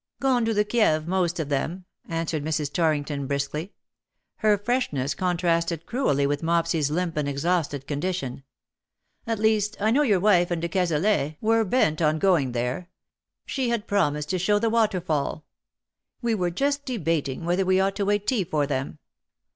" Gone to the Kieve, most of them," answered Mrs. Torrington briskly. Her freshness contrasted cruelly with Mopsy's limp and exhausted condition. ^' At least I know your wife and de Cazalet were 222 " HIS LADY smiles/^ ETC. bent on going there. She had promised to show the waterfall. We were just debating whether we ought to wait tea for them.